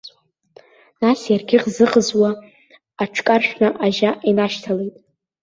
Нас иаргьы ӷзыӷзуа аҽкаршәны ажьа инашьҭалеит.